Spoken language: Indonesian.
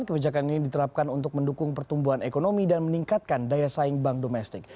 kebijakan ini diterapkan untuk mendukung pertumbuhan ekonomi dan meningkatkan daya saing bank domestik